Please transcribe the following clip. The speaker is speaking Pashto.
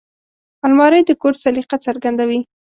الماري د کور سلیقه څرګندوي